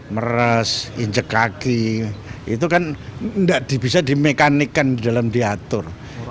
meres injek kaki itu kan tidak bisa dimekanikan di dalam diatur